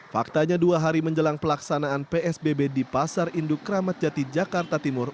faktanya dua hari menjelang pelaksanaan psbb di pasar induk ramadjati jakarta timur